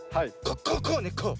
こうこうねこう。